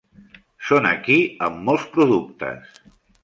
Són aquí, amb molts productes!